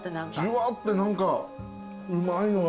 じゅわって何かうまいのが。